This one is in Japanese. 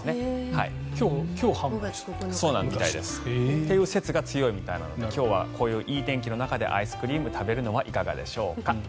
そうみたいです。という説が強いみたいなので今日はこういういい天気の中でアイスクリームを食べるのはいかがでしょうか。